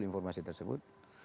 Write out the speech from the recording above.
apa informasi tersebut